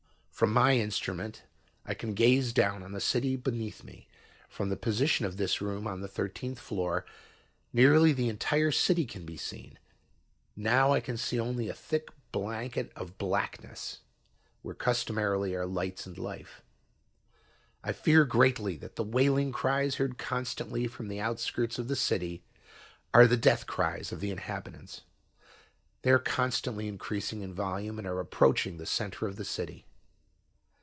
"From my instrument I can gaze down on the city beneath me. From the position of this room on the thirteenth floor, nearly the entire city can be seen. Now I can see only a thick blanket of blackness where customarily are lights and life. "I fear greatly that the wailing cries heard constantly from the outskirts of the city are the death cries of the inhabitants. They are constantly increasing in volume and are approaching the center of the city.